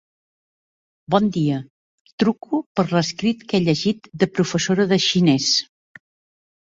Bon dia, truco per l'escrit que he llegit de professora de xinès.